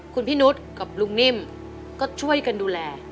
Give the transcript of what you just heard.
คุณพี่นุษย์กับลุงนิ่มก็ช่วยกันดูแล